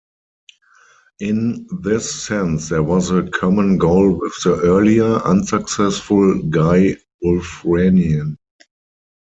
In this sense there was a common goal with the earlier, unsuccessful, Guy Wulfrunian.